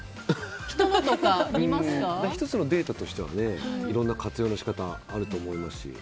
１つのデータとしてはいろんな活用の仕方はあると思いますし。